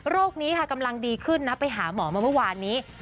นี้ค่ะกำลังดีขึ้นนะไปหาหมอมาเมื่อวานนี้